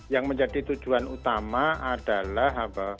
yang menjadi tujuan utama adalah